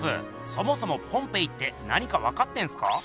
そもそもポンペイって何か分かってんすか？